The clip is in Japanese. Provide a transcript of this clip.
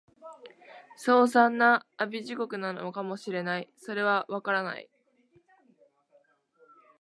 凄惨な阿鼻地獄なのかも知れない、それは、わからない